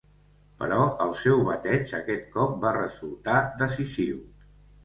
Però el seu bateig aquest cop va resultar decisiu.